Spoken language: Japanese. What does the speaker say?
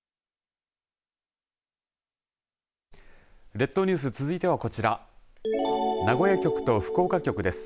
列島ニュース続いてはこちら名古屋局と福岡局です。